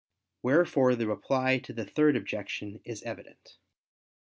Wherefore the reply to the Third Objection is evident.